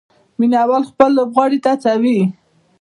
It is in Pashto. مینه وال خپل لوبغاړي هڅوي.